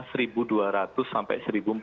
satu dua ratus sampai seribu empat ratus